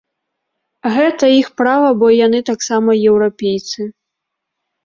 Гэта іх права, бо яны таксама еўрапейцы.